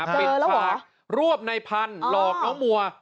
ปิดภาครวบในพันธุ์หลอกน้องมัว